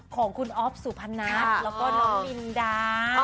ของคุณออฟสุพนัทและวินดา